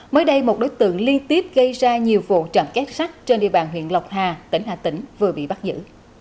mới đây một đối tượng liên tiếp gây ra nhiều vụ trận kết sách trên địa bàn huyện lộc hà tỉnh hà tĩnh vừa bị bắt giữ